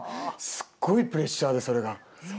すっごいプレッシャーでそれが。